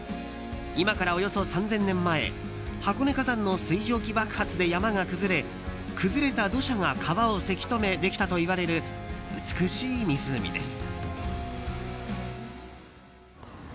今から、およそ３０００年前箱根火山の水蒸気爆発で山が崩れ崩れた土砂が川をせき止めできたといわれる美しい湖です。